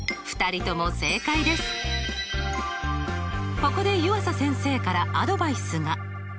ここで湯浅先生からアドバイスが。